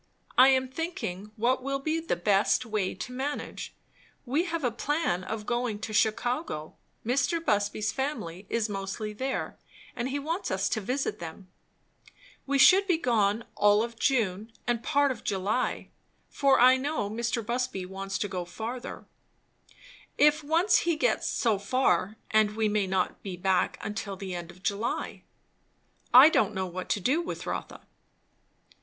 "I am thinking what will be the best way to manage. We have a plan of going to Chicago Mr. Busby's family is mostly there, and he wants us to visit them; we should be gone all June and part of July, for I know Mr. Busby wants to go further, if once he gets so far; and we may not be back till the end of July. I don't know what to do with Rotha."